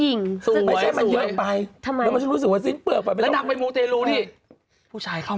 อีเนี่ยเดี๋ยวตัวแรกแล้วหลังจากนั้น